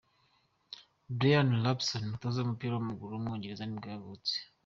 Bryan Robson, umutoza w’umupira w’amaguru w’umwongereza nibwo yavutse.